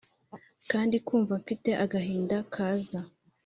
kandi kumva mfite agahinda kaza